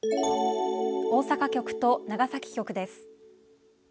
大阪局と長崎局です。